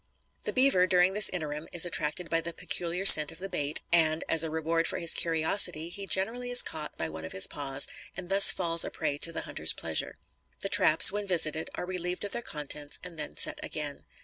The beaver, during this interim, is attracted by the peculiar scent of the bait, and, as a reward for his curiosity, he generally is caught by one of his paws and thus falls a prey to the hunter's pleasure. The traps, when visited, are relieved of the contents and then set again.